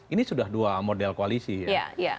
ini sudah dua model koalisi ya